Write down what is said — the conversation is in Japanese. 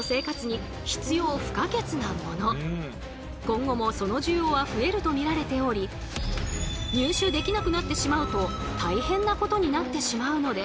今後もその需要は増えると見られており入手できなくなってしまうと大変なことになってしまうのです。